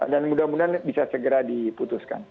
dan mudah mudahan bisa segera diputuskan